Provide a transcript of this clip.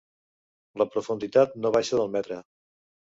La profunditat no baixa del metre.